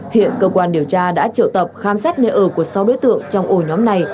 hiện cơ quan điều tra đã triệu tập khám xét nơi ở của sáu đối tượng trong ổ nhóm này